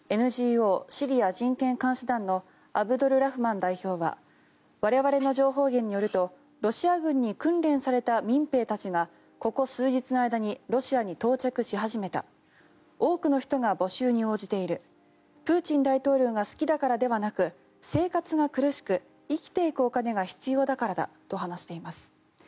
ＮＧＯ、シリア人権監視団のアブドルラフマン代表は我々の情報源によるとロシア軍に訓練された民兵たちがここ数日の間にロシアに到着し始めた多くの人が募集に応じているプーチン大統領が好きだからではなく生活が苦しく生きていくお金が必要だからだと話しています。